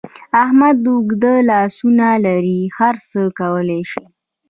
احمد اوږده لاسونه لري؛ هر څه کولای شي.